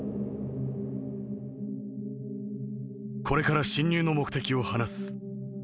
「『これから侵入の目的を話す。